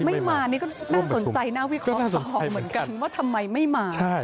ไม่มานี่ก็น่าสนใจน่าวิเคราะห์สองเหมือนกันว่าทำไมไม่มา